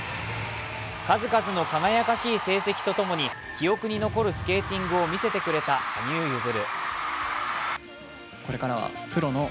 数々の輝かしい成績とともに記憶に残るスケーティングを見せてくれた羽生結弦。